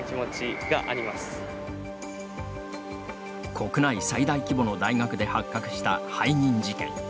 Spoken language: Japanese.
国内最大規模の大学で発覚した背任事件。